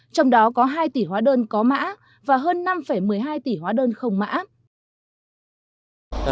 trong đó có hai tỷ hóa đơn có mã và hơn năm một mươi hai tỷ hóa đơn không mã